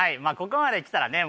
ここまできたらね